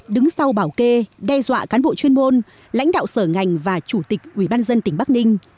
đứng sau bảo kê đe dọa cán bộ chuyên môn lãnh đạo sở ngành và chủ tịch ubnd tỉnh bắc ninh